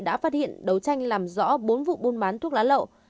đã phát hiện đấu tranh làm rõ bốn vụ buôn bán thuốc lá lậu